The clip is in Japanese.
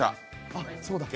あっそうだ。